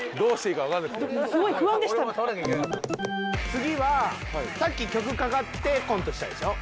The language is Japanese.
次はさっき曲かかってコントしたでしょ？